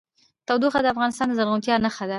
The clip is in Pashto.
تودوخه د افغانستان د زرغونتیا نښه ده.